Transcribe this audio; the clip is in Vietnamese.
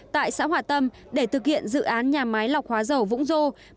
tại xã hòa tâm để thực hiện dự án nhà máy lọc hóa dầu vũng dô